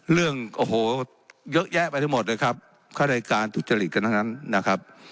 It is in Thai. เรื่องโอ้โหเยอะแยะไปทั้งหมดเลยครับค่ารายการทุจริตกันทั้งนั้นนะครับ